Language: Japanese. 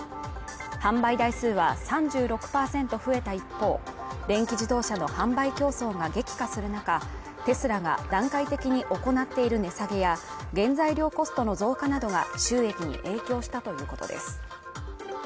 販売台数は３６％増えた一方、電気自動車の販売競争が激化する中、テスラが段階的に行っている値下げや原材料コストの増加などが収益に影響したということです。